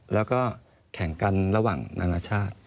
แล้วก็แข่งกันระหว่างนานาชาติ